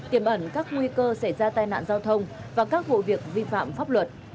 tiềm ẩn các nguy cơ xảy ra tai nạn giao thông và các vụ việc vi phạm pháp luật